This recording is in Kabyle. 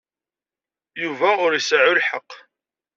Yuba ur iseɛɛu lḥeqq.